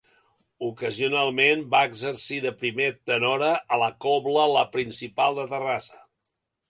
Ocasionalment va exercir de primer tenora a la cobla La Principal de Terrassa.